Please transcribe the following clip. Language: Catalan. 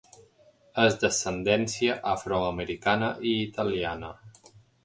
És d'ascendència afroamericana i italiana.